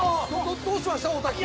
どうしました？